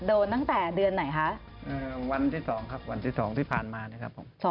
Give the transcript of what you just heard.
ตั้งแต่เดือนไหนคะวันที่๒ครับวันที่๒ที่ผ่านมานะครับผม